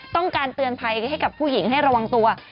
ต้องการเตือนภัยให้กับผู้หญิงให้ระวังตัว